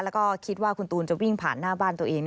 แล้วก็คิดว่าคุณตูนจะวิ่งผ่านหน้าบ้านตัวเอง